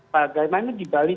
pada bagaimana di bali